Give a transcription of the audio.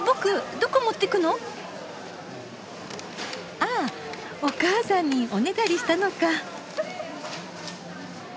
ああお母さんにおねだりしたのか。